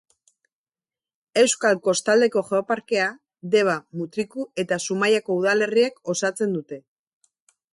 Euskal Kostaldeko Geoparkea Deba, Mutriku eta Zumaiako udalerriek osatzen dute.